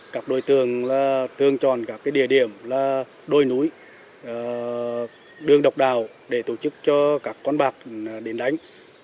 các đối tượng thường chọn các địa điểm là đôi núi đường độc đào để tổ chức cho các con bạc đến đánh